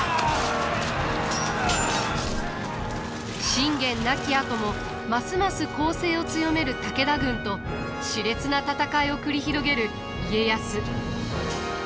信玄亡きあともますます攻勢を強める武田軍としれつな戦いを繰り広げる家康。